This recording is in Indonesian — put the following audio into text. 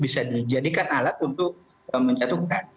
bisa dijadikan alat untuk menjatuhkan